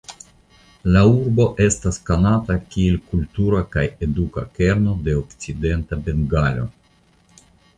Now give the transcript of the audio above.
La urbo estas konata kiel kultura kaj eduka kerno de Okcidenta Bengalo.